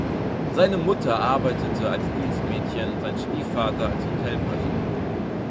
Seine Mutter arbeitete als Dienstmädchen, sein Stiefvater als Hotelpage.